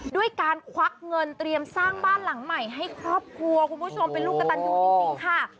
ด้วยการควักเงินเตรียมสร้างบ้านหลังใหม่ให้ครอบครัวคุณผู้ชมเป็นลูกกระตันยูจริงค่ะ